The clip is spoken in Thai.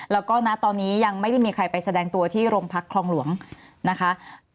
แล้วก็นะตอนนี้ยังไม่ได้มีใครไปแสดงตัวที่โรงพักคลองหลวงนะคะ